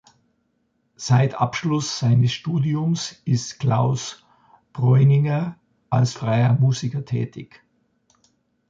Seit Abschluss seines Studiums ist Klaus Breuninger als freier Musiker tätig.